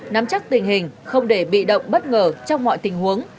nắm chắc tình hình không để bị động bất ngờ trong mọi tình huống